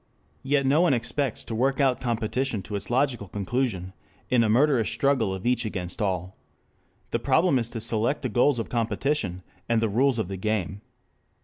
Yet no one expects to work out competition to its logical conclusion in a murderous struggle of each against all. The problem is to select the goals of competition and the rules of the game.